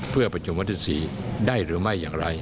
เพื่อประชุมวันที่๔ได้หรือไม่อย่างไร